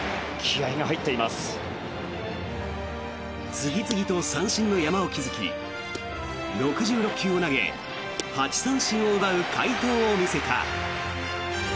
次々と三振の山を築き６６球を投げ８三振を奪う快投を見せた。